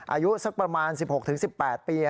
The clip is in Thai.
อายุสักประมาณ๑๖๑๘ปี